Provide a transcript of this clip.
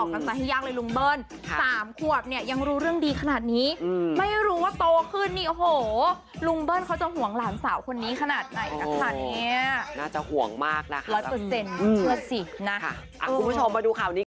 ยังยังเลยลุงเบิ้ล๓ควบเนี่ยยังรู้เรื่องดีขนาดนี้ไม่รู้ว่าโตขึ้นนี่โหลุงเบิ้ลเขาจะห่วงหลานสาวคนนี้ขนาดไหนอ่ะค่ะเนี้ยน่าจะห่วงมากนะครับ๑๐๐เชื่อดสินะค่ะคุณผู้ชมมาดูข่าวนี้กัน